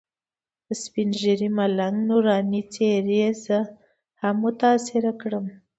د سپین ږیري ملنګ نوراني څېرې زه هم متاثره کړم.